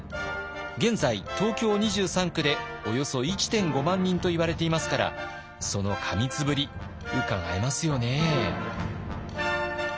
現在東京２３区でおよそ１．５万人といわれていますからその過密ぶりうかがえますよね。